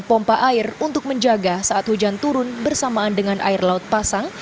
pompa air untuk menjaga saat hujan turun bersamaan dengan air laut pasang